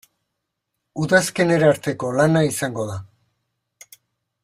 Udazkenera arteko lana izango da.